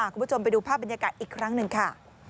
คุณผู้ชมไปดูภาพบรรยากาศอีกครั้งหนึ่งค่ะ